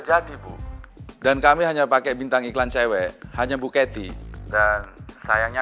jadi bu dan kami hanya pakai bintang iklan cheers hanya bu ke teh dan sayangnya